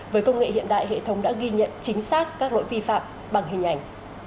với công nghệ hiện đại hệ thống đã ghi nhận chính xác các lỗi vi phạm bằng hình ảnh